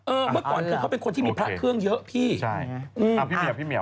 เออเมื่อก่อนเขาเป็นคนที่มีพระเคึ้งเยอะพี่เนี่ยเหรอหรือห่ะโอเค